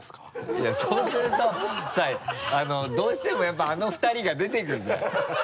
いやそうするとさどうしてもやっぱあの２人が出てくるじゃん。